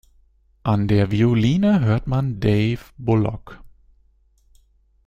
An der Violine hört man Dave Bullock.